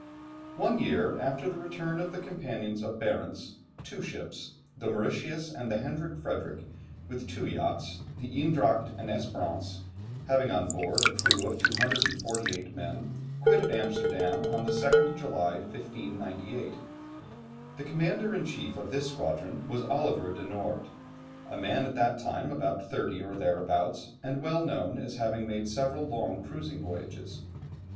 One year after the return of the companions of Barentz, two ships, the Mauritius and the Hendrik Fredrik, with two yachts, the Eendracht and Espérance, having on board a crew of 248 men, quitted Amsterdam on the 2nd July, 1598. The commander in chief of this squadron was Oliver de Noort, a man at that time about thirty or thereabouts, and well known as having made several long cruising voyages.